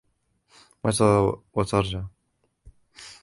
متى وترجع؟